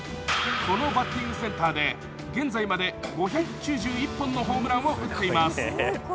このバッティングセンターで現在まで５９１本のホームランを打っています。